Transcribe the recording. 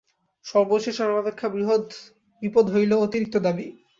সর্বশেষ ও সর্বাপেক্ষা বৃহৎ বিপদ হইল অতিরিক্ত দাবী।